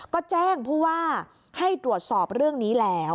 ก็แจ้งผู้ว่าให้ตรวจสอบเรื่องนี้แล้ว